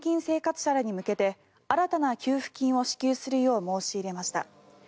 生活者らに向けて新たな給付金を支給するよう申し入れました。